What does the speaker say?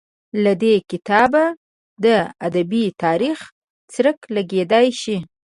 له دې کتابه د ادبي تاریخ څرک لګېدای شي.